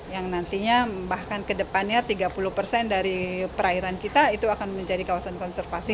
yang nantinya bahkan kedepannya tiga puluh persen dari perairan kita itu akan menjadi kawasan konservasi